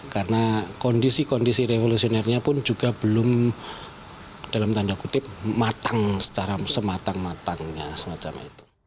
karena kondisi kondisi revolusionernya pun juga belum dalam tanda kutip matang secara sematang matangnya semacam itu